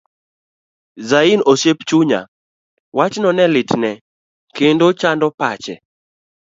Zaini osiep chunya, wachno ne litne kendo chando pache.